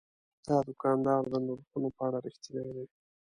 دا دوکاندار د نرخونو په اړه رښتینی دی.